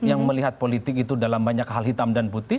yang melihat politik itu dalam banyak hal hitam dan putih